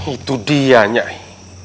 itu dia nyai